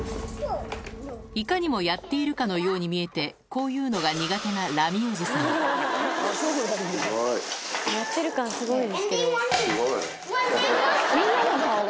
いかにもやっているかのように見えてこういうのが苦手なラミおじさんすごい。